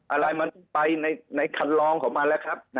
อะไรมันไปในคันลองของมันแล้วครับ